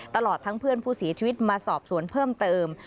ตลอดทั้งเพื่อนผู้เสียชีวิตมาสอบสวนเพิ่มเติม